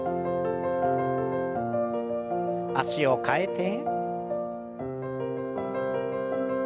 脚を替えて。